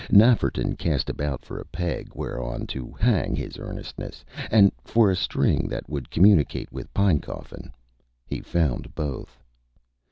Nafferton cast about for a peg whereon to hang his earnestness, and for a string that would communicate with Pinecoffin. He found both.